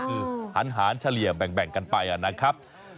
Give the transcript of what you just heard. คือหันเฉลี่ยแบ่งกันไปนะครับ